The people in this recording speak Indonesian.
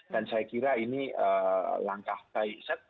dan saya kira ini langkah baik